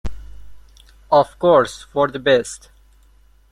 Of course, for the best.